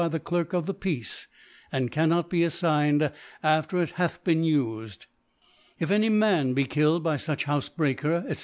23* H 6 Clerk ( 156 ) Clerk of the Peace, and cannot be afligned after it hath been ufed. If any Man be killed by fuch Houfc breaker, 6?f.